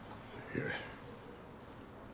いえ。